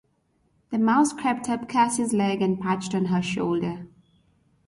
The mouse crept up Casey's leg and perched on her shoulder.